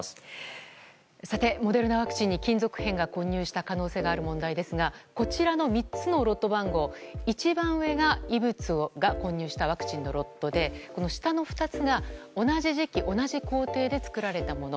モデルナワクチンに金属片が混入した可能性がある問題ですがこちらの３つのロット番号一番上が異物が混入したワクチンのロットで下の２つが同じ時期、同じ工程で作られたもの。